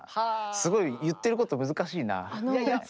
すごい言ってること難しいな。